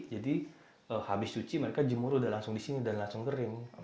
jadi habis cuci mereka jemur sudah langsung di sini dan langsung kering